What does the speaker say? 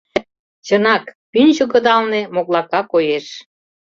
Чынак, пӱнчӧ кыдалне моклака коеш.